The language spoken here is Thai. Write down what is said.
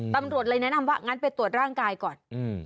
ตำรวจเลยแนะนำว่างั้นไปตรวจร่างกายก่อน